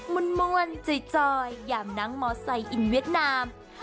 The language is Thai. มุนม่วนใจจอยอย่ามนั่งมอสไซค์อินเวียดนาม